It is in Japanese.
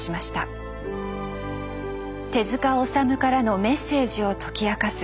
手治虫からのメッセージを解き明かす